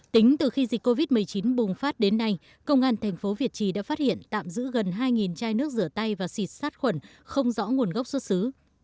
tính từ khi dịch covid một mươi chín bùng phát đến nay công an thành phố việt trì đã phát hiện tạm giữ gần hai chai nước rửa tay và xịt sát khuẩn không rõ nguồn gốc xuất xứ